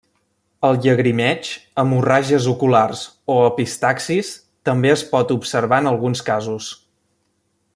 El llagrimeig, hemorràgies oculars o epistaxis també es pot observar en alguns casos.